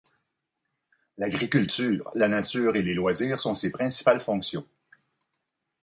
L'agriculture, la nature et les loisirs sont ses principales fonctions.